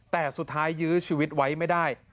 แต่สุดท้ายยื้อชีวิตไว้ไม่ได้